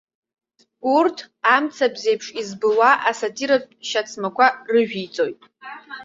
Урҭ, амцабз еиԥш избылуа асатиратә шьацмақәа рыжәиҵоит.